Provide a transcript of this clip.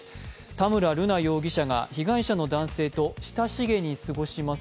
田村瑠奈容疑者が被害者の男性と親しげに過ごします